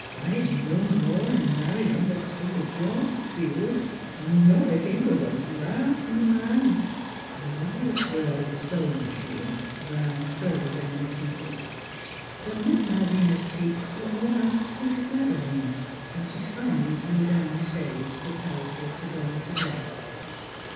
I'd no more 'a' married Undertaker George Beels, not ef he was th' last man The loud whir of the sewing machine drowned further reminiscences. But Miss Malvina's cheeks were almost as pink as Madeleine's when she finally drew down the shades preparatory to going to bed.